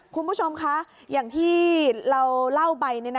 คุณผู้ชมคะอย่างที่เราเล่าไป